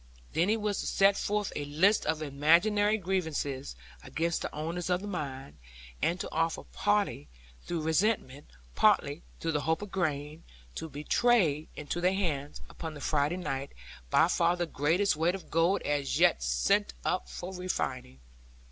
Then he was to set forth a list of imaginary grievances against the owners of the mine; and to offer partly through resentment, partly through the hope of gain, to betray into their hands, upon the Friday night, by far the greatest weight of gold as yet sent up for refining.